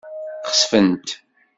Xesfent.